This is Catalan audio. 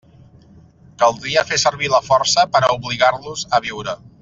Caldria fer servir la força per a obligar-los a viure.